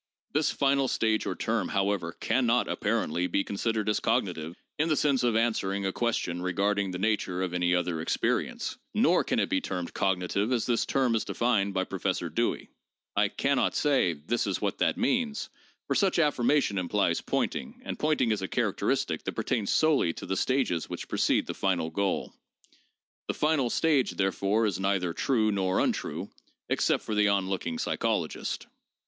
This final stage or term, however, can not, apparently, be con sidered as cognitive in the sense of answering a question regarding the nature of any other experience, nor can it be termed cognitive as this term is defined by Professor Dewey. I can not say, 'This is what that means, ' for such affirmation implies pointing, and point ing is a characteristic that pertains solely to the stages which pre cede the final goal. The final stage, therefore, is neither true nor untrue, except for the onlooking psychologist.